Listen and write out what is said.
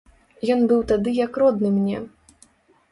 Ён быў тады як родны мне.